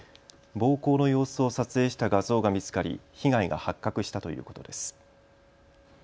暴行の様子を撮影した画像が見つかり被害が発覚したということです。